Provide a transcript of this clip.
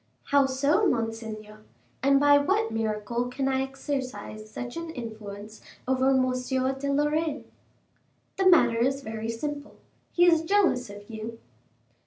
"How so, monseigneur: and by what miracle can I exercise such an influence over M. de Lorraine?" "The matter is very simple, he is jealous of you."